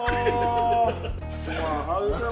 mas tarik banget